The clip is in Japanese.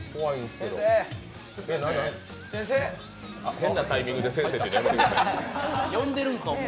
変なタイミングで先生って言うのやめてください。